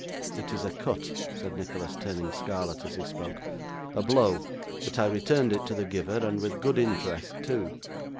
'It is a cut,' said Nicholas, turning scarlet as he spoke, 'a blow; but I returned it to the giver, and with good interest too.